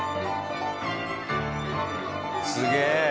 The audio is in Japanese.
すげえ！